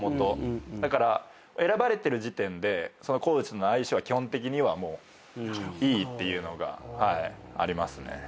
だから選ばれてる時点でそのコーチとの相性は基本的にはもういいっていうのがありますね。